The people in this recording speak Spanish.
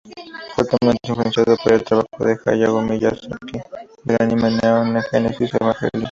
Fuertemente influenciado por el trabajo de Hayao Miyazaki y el anime Neon Genesis Evangelion.